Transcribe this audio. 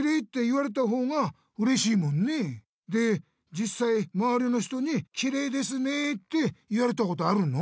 じっさいまわりの人にきれいですねって言われたことあるの？